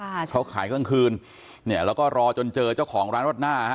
ค่ะเขาขายกลางคืนเนี่ยแล้วก็รอจนเจอเจ้าของร้านรวดหน้าฮะ